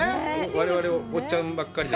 我々おっちゃんばっかりで。